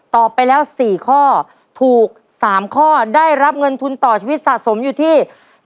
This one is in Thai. ไปแล้ว๔ข้อถูก๓ข้อได้รับเงินทุนต่อชีวิตสะสมอยู่ที่